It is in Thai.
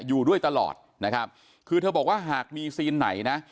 อยู่ด้วยตลอดนะครับคือเธอบอกว่าหากมีซีนไหนนะ